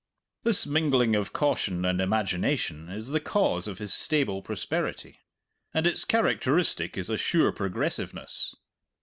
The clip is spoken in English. This mingling of caution and imagination is the cause of his stable prosperity. And its characteristic is a sure progressiveness.